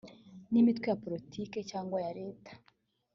n imitwe ya politiki cyangwa ya leta